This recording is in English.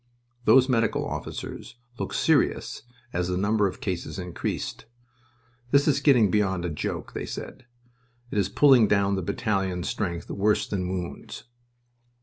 Those medical officers looked serious as the number of cases increased. "This is getting beyond a joke," they said. "It is pulling down the battalion strength worse than wounds."